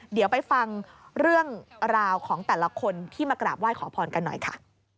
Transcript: เดี๋ยวไปฟังเรื่องราวของแต่ละคนที่มากราบไหว้ขอพรกันหน่อยค่ะ